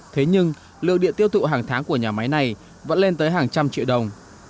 thế nhưng lượng điện tiêu thụ hàng tháng của nhà máy này vẫn lên tới hàng trăm triệu đồng